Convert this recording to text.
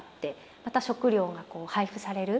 また食料が配布される。